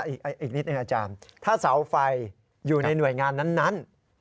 อีกนิดหนึ่งอาจารย์ถ้าเสาไฟอยู่ในหน่วยงานนั้น